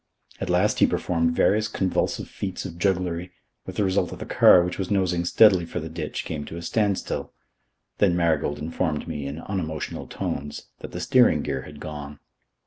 At last he performed various convulsive feats of jugglery, with the result that the car, which was nosing steadily for the ditch, came to a stand still. Then Marigold informed me in unemotional tones that the steering gear had gone.